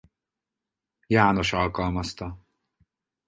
János alkalmazta.